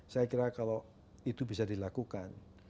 saya kira kalau itu bisa dilakukan